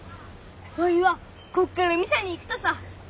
おいはこっからミサに行くとさ。